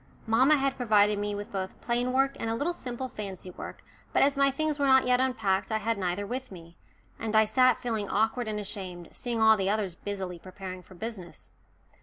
Mamma had provided me with both plain work and a little simple fancy work, but as my things were not yet unpacked, I had neither with me, and I sat feeling awkward and ashamed, seeing all the others busily preparing for business.